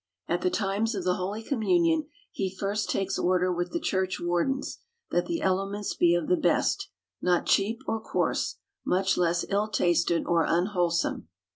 At the times of the holy communion, he first takes order with the church wardens, that the elements be of the best ; not cheap, or coarse ; much less ill tasted, or unwholesome.